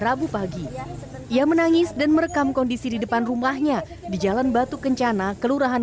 rabu pagi ia menangis dan merekam kondisi di depan rumahnya di jalan batu kencana kelurahan